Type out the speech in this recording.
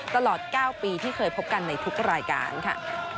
ตลอด๙ปีที่เคยพบกันในทุกรายการค่ะ